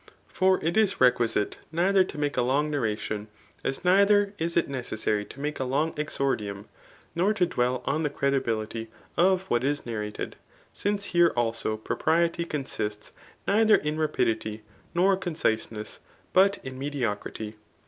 '' For it is requisite neither to make a long narration, as neither is it neces sary to make a long exordium, nor to dwell on the credit foility of what. is narrated; since here also propriety consists neither in rapidity, nor conciseness, but in medio* crity.